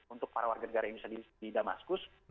untuk para warga negara indonesia di damaskus